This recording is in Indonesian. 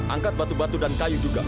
angkat batu batu dan kayu juga